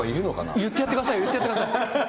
言ってやってください、言ってやってください。